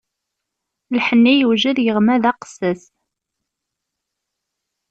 Lḥenni yewjed, yeɣma d aqessas.